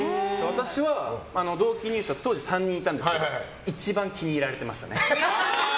私は同期入社当時３人いたんですけど一番、気に入られてましたね。